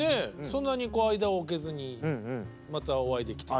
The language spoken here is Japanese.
そんなに間を空けずにまたお会いできて。